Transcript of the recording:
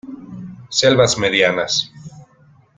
Selvas medianas.